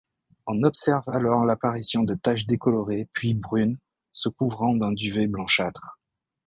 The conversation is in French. On observe alors l'apparition de taches décolorées puis brunes, se couvrant d'un duvet blanchâtre.